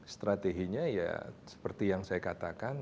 strateginya ya seperti yang saya katakan